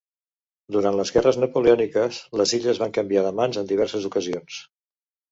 Durant les Guerres Napoleòniques les illes van canviar de mans en diverses ocasions.